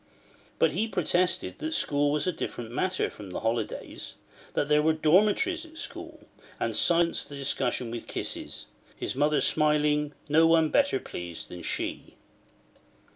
But he protested that school was a different matter from the holidays; that there were dormitories at school; and silenced the discussion with kisses: his mother smiling, no one better pleased than she.